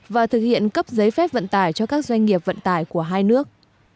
và thực hiện cấp giấy phép vận tải cho các doanh nghiệp vận tải của hai nước